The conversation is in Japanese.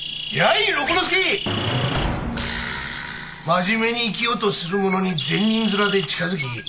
真面目に生きようとする者に善人面で近づき